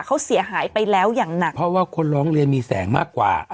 เขาเสียหายไปแล้วอย่างหนักเพราะว่าคนร้องเรียนมีแสงมากกว่า